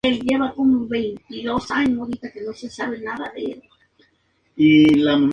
Ion debutó como profesional en la Subida a Urkiola.